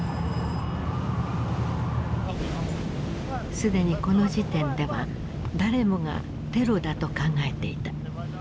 既にこの時点では誰もがテロだと考えていた。